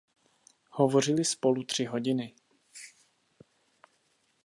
Hovořili spolu tři hodiny.